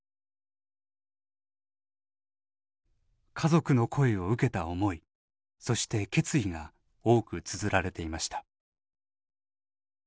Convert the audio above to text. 家族の声を受けた思いそして決意が多くつづられていました。